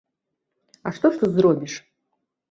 А што ж тут зробіш?